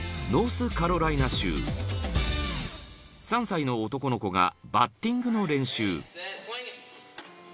［３歳の男の子がバッティングの練習］